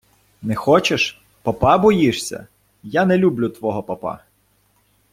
Не хочеш? Попа боїшся? Я не люблю твого попа.